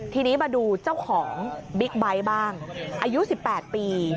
ทีนี้มาดูเจ้าของบิ๊กไบท์บ้างอายุ๑๘ปี